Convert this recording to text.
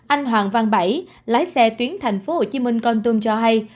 anh hoàng văn bảy lái xe tuyến thành phố hồ chí minh con tum cho hay